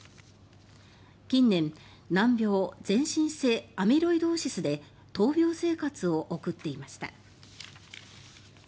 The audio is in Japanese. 近年難病・全身性アミロイドーシスで闘病生活を送っていました。